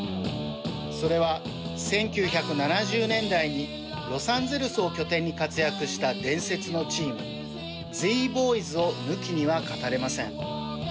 それは、１９７０年代にロサンゼルスを拠点に活躍した伝説のチーム、Ｚ−Ｂｏｙｓを抜きには語れません。